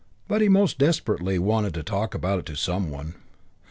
But he most desperately wanted to talk about it to some one.